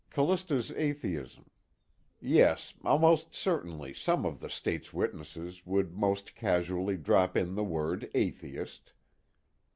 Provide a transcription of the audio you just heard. Callista's atheism; yes, almost certainly some one of the State's witnesses would most casually drop in the word "atheist."